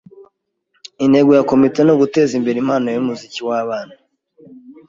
Intego ya komite ni uguteza imbere impano yumuziki wabana.